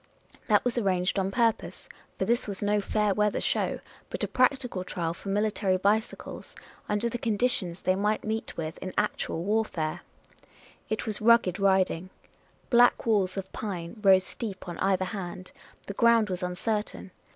That was arranged on purpose — for this was no fair weather show — but a practical trial for military bicycles, under the conditions they might meet with in actual warfare. It was rugged riding : black walls of pine rose steep on either hand ; the ground was uncertain.